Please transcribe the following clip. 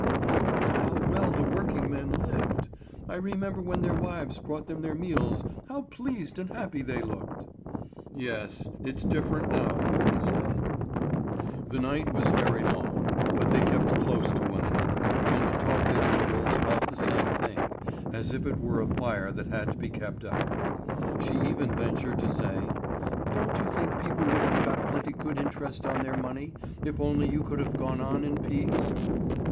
"And how well the working men lived! I remember when their wives brought them their meals how pleased and happy they looked!" "Yes, it's different now," said he. The night was very long; but they kept close to one another, and talked at intervals about the same thing, as if it were a fire that had to be kept up. She even ventured to say: "Don't you think people would have got pretty good interest on their money, if only you could have gone on in peace?"